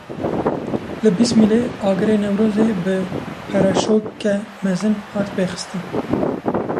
Li Bismilê agirê Newrozê bi pereşoke mezin hat pêxistin.